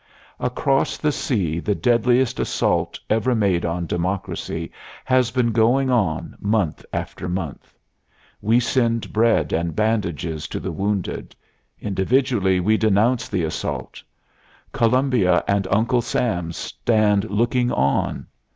Across the sea the deadliest assault ever made on Democracy has been going on, month after month. We send bread and bandages to the wounded; individually we denounce the assault. Columbia and Uncle Sam stand looking on.